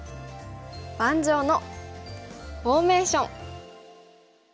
「盤上のフォーメーション」。